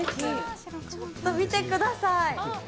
ちょっと見てください。